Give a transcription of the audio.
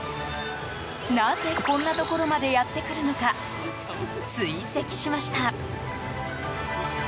なぜ、こんなところまでやってくるのか追跡しました。